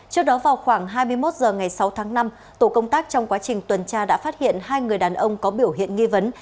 trước đó vào khoảng hai mươi một h ngày sáu tháng năm tổ công tác trong quá trình tuần tra đã phát hiện hai người đàn ông có biểu hiện nghi vấn